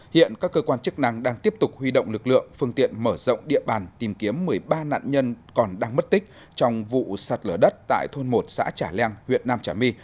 hiện các cơ quan chức năng đang tiếp tục huy động lực lượng phương tiện mở rộng địa bàn tìm kiếm một mươi ba nạn nhân còn đang mất tích trong vụ sạt lở đất tại thôn một xã trà leng huyện nam trà my